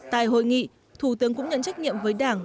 tại hội nghị thủ tướng cũng nhận trách nhiệm với đảng